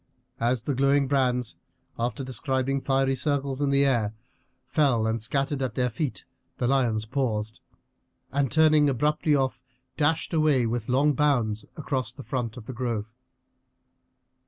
As the glowing brands, after describing fiery circles in the air, fell and scattered at their feet, the lions paused, and turning abruptly off dashed away with long bounds across the front of the grove.